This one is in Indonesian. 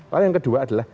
lalu yang kedua adalah